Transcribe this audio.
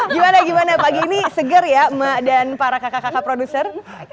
gimana gimana pagi ini seger ya emak dan para kakak kakak produser